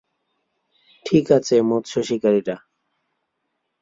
ঠিক আছে, মৎসশিকারিরা!